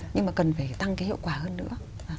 nhưng mà cần phải tăng cái hiệu quả hơn nữa